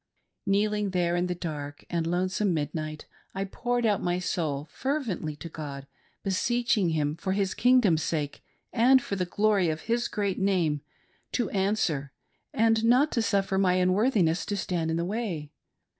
Kneeling there in the dark and lonesome midnight, X poured out my soul fervently to God, beseeching Him for His kingdom's sake and for the glory of His great name to answer, and not to suffer my unworthiness to stand in the way.